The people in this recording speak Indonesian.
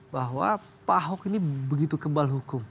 bahwa pak ahok ini begitu kebal hukum